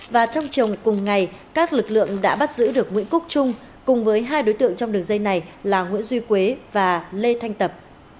và trong chiều cùng ngày các lực lượng đã bắt giữ được nguyễn quốc trung cùng với hai đối tượng trong đường dây này là nguyễn duy quế và lê thanh tập